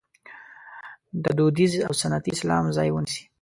د دودیز او سنتي اسلام ځای ونیسي.